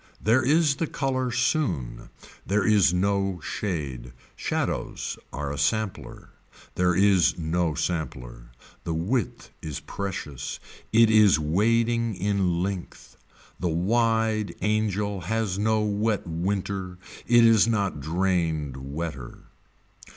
There is the color soon. There is no shade. Shadows are a sampler. There is no sampler. The width is precious. It is wading in length. The wide angel has no wet winter. It is not drained wetter.